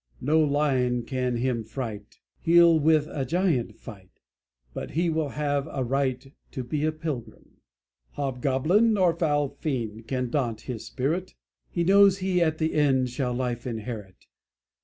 No lion can him fright; He'll with a giant fight, But he will have a right To be a pilgrim. "Hobgoblin nor foul fiend Can daunt his spirit; He knows he at the end Shall life inherit.